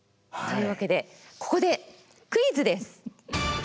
というわけでここでクイズです。